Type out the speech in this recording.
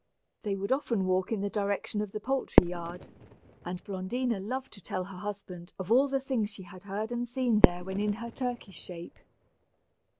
They would often walk in the direction of the poultry yard, and Blondina loved to tell her husband of all the things she had heard and seen there when in her turkey shape.